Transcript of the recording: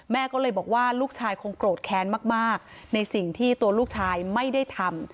แม่ก็เลยบอกว่าลูกชายคงโกรธแค้นมากในสิ่งที่ตัวลูกชายไม่ได้ทำ